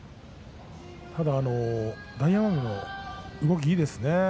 ただ大奄美も動きがいいですね。